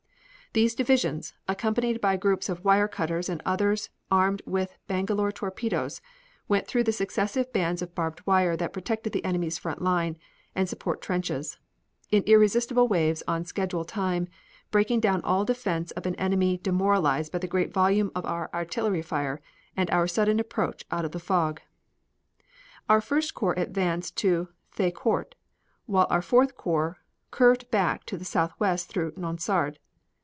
These divisions, accompanied by groups of wire cutters and others armed with bangalore torpedoes, went through the successive bands of barbed wire that protected the enemy's front line and support trenches, in irresistible waves on schedule time, breaking down all defense of an enemy demoralized by the great volume of our artillery fire and our sudden approach out of the fog. Our First Corps advanced to Thiaucourt, while our Fourth Corps curved back to the southwest through Nonsard.